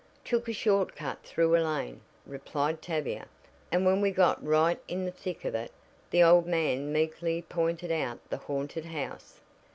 "Took a short cut through a lane," replied Tavia, "and when we got right in the thick of it the old man meekly pointed out the haunted house."